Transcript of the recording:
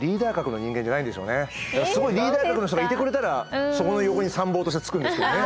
すごいリーダー格の人がいてくれたらそこの横に参謀としてつくんですけどね。